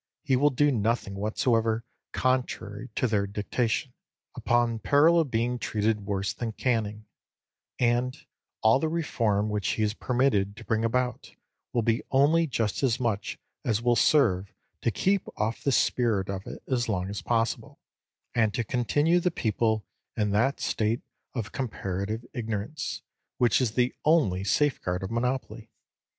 He will do nothing whatsoever contrary to their dictation, upon peril of being treated worse than Canning; and all the reform which he is permitted to bring about will be only just as much as will serve to keep off the spirit of it as long as possible, and to continue the people in that state of comparative ignorance, which is the only safeguard of monopoly.